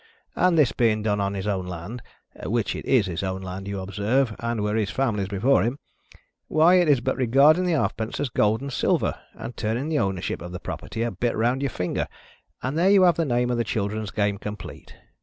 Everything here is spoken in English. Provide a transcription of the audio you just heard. And this being done on his own land (which it is his own land, you observe, and were his family's before him), why it is but regarding the halfpence as gold and silver, and turning the ownership of the property a bit round your finger, and there you have the name of the children's game complete.